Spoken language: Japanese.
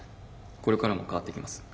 これからも変わっていきます。